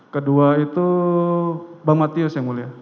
kedua itu bang matius yang mulia